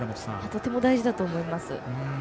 とても大事だと思います。